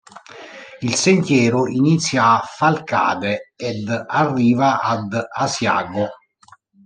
Il sentiero inizia a Falcade ed arriva ad Asiago.